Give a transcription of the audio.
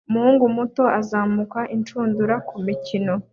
Umuhungu muto azamuka inshundura kumikino